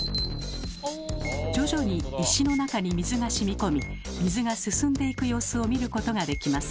徐々に石の中に水がしみこみ水が進んでいく様子を見ることができます。